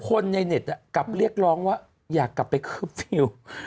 คนในเน็ตกลับเรียกร้องว่าอยากกลับไปเคอร์ฟิลล์